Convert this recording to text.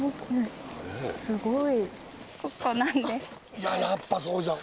いややっぱそうじゃん。